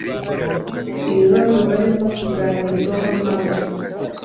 Ikibazo barimo kuganirwaho nabo